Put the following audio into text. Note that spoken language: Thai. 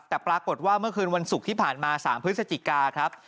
แต่ปรากฏว่าเมื่อคืนวันศุกร์ที่ผ่านมา๓พฤศจิกาครับ